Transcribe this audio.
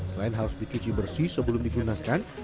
selain harus dicuci bersih sebelum digunakan